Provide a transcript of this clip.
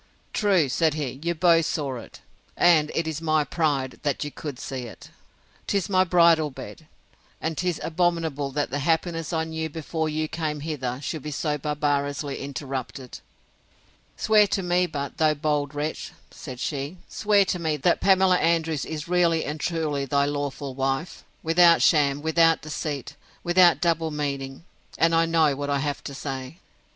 True, said he; you both saw it, and it is my pride that you could see it. 'Tis my bridal bed; and 'tis abominable that the happiness I knew before you came hither, should be so barbarously interrupted. Swear to me but, thou bold wretch! said she, swear to me, that Pamela Andrews is really and truly thy lawful wife, without sham, without deceit, without double meaning; and I know what I have to say!